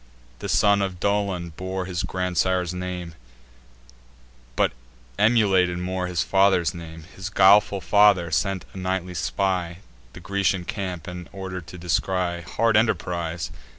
This son of Dolon bore his grandsire's name, But emulated more his father's fame; His guileful father, sent a nightly spy, The Grecian camp and order to descry: Hard enterprise!